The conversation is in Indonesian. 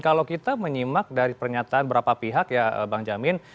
kalau kita menyimak dari pernyataan berapa pihak ya bang jamin